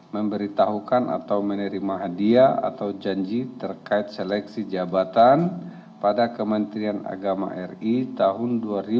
memberitahukan atau menerima hadiah atau janji terkait seleksi jabatan pada kementerian agama ri tahun dua ribu delapan belas dua ribu sembilan belas